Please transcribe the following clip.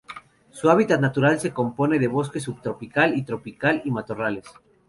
Su hábitat natural se compone de bosque subtropical y tropical, y matorrales.